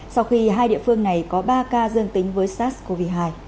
sau khi hai địa phương này có ba ca dương tính với sars cov hai